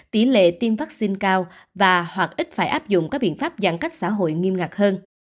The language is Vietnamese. tỷ lệ tiêm vaccine cao và hoặc ít phải áp dụng các biện pháp giãn cách